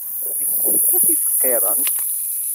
Yessefk ad t-id-qirrent.